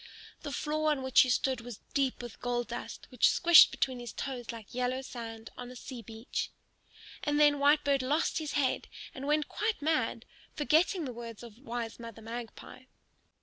The floor on which he stood was deep with gold dust, which squished between his toes like yellow sand on a sea beach. And then Whitebird lost his head and went quite mad, forgetting the words of wise Mother Magpie.